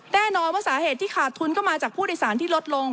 แน่นอนว่าสาเหตุที่ขาดทุนก็มาจากผู้โดยสารที่ลดลง